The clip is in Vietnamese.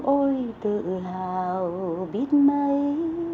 ôi tự hào biết mấy